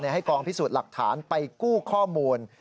ให้กองพิสูจน์หลักฐานไปกู้ข้อมูล